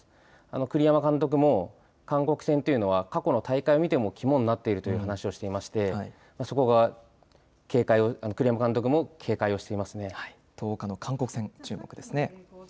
栗山監督も、韓国戦というのは過去の大会を見ても肝になっているという話をしていまして、そこが警戒を、栗山監督も警戒をしてい１０日の韓国戦、注目ですね。